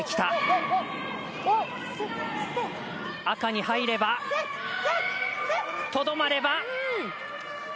赤に入れば、とどまれば。